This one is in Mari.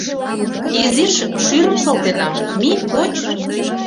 Изиш шӱрым шолтенам, мий, коч.